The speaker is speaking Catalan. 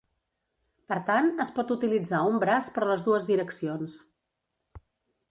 Per tant, es pot utilitzar un braç per les dues direccions.